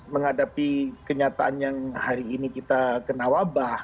menghadapi kenyataan yang hari ini kita kena wabah